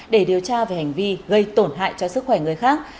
để điều tra về hành vi gây tổn hại cho sức khỏe người khác